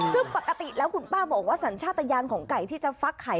ซึ่งปกติแล้วคุณป้าบอกว่าสัญชาติยานของไก่ที่จะฟักไข่